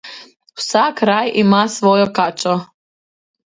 Vsak raj ima svojo kačo.